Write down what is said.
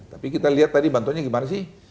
tapi kita lihat tadi bantuannya gimana sih